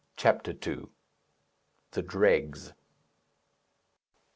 CHAPTER II. THE DREGS.